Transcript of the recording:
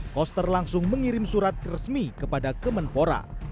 koster langsung mengirim surat resmi kepada kemenpora